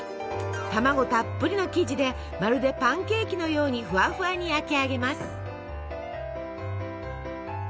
卵たっぷりの生地でまるでパンケーキのようにフワフワに焼き上げます。